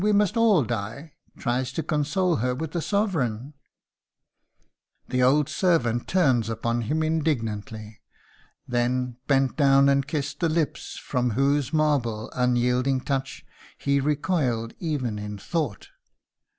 we must all die," tries to console her with a sovereign!! The old servant turns upon him indignantly, then "bent down and kissed the lips from whose marble, unyielding touch he recoiled even in thought."